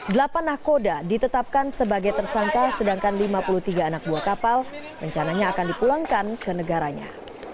delapan nahkoda ditetapkan sebagai tersangka sedangkan lima puluh tiga anak buah kapal rencananya akan dipulangkan ke negaranya